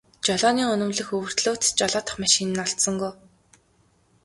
Жолооны үнэмлэх өвөртлөөд ч жолоодох машин нь олдсонгүй.